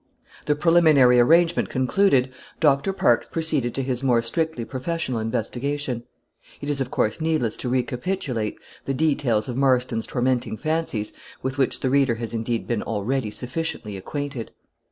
The preliminary arrangement concluded, Dr. Parkes proceeded to his more strictly professional investigation. It is, of course, needless to recapitulate the details of Marston's tormenting fancies, with which the reader has indeed been already sufficiently acquainted.